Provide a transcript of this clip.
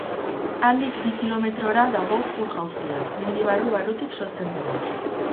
Handik bi kilometrora dago ur-jauzia, mendi barru-barrutik sortzen dena.